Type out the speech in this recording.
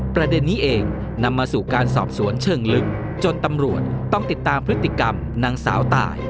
ประเด็นนี้เองนำมาสู่การสอบสวนเชิงลึกจนตำรวจต้องติดตามพฤติกรรมนางสาวตาย